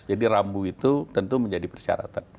jadi rambu itu tentu menjadi persyaratan